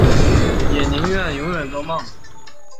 也宁愿永远作梦